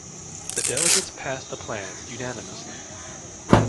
The delegates passed the plan unanimously.